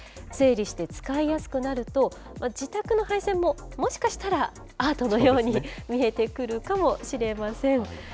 整理して使いやすくなると、自宅の配線も、もしかしたらアートのように見えてくるかもしれません。